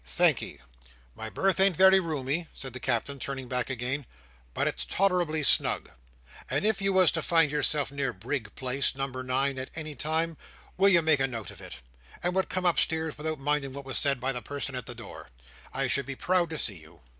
"Thank'ee. My berth ain't very roomy," said the Captain, turning back again, "but it's tolerably snug; and if you was to find yourself near Brig Place, number nine, at any time—will you make a note of it?—and would come upstairs, without minding what was said by the person at the door, I should be proud to see you.